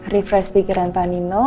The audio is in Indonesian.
refresh pikiran pak nino